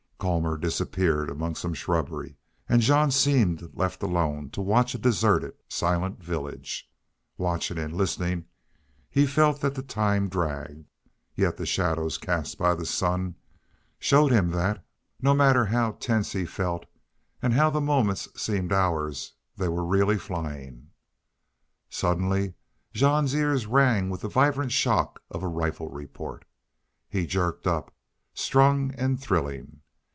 Colmor disappeared among some shrubbery, and Jean seemed left alone to watch a deserted, silent village. Watching and listening, he felt that the time dragged. Yet the shadows cast by the sun showed him that, no matter how tense he felt and how the moments seemed hours, they were really flying. Suddenly Jean's ears rang with the vibrant shock of a rifle report. He jerked up, strung and thrilling.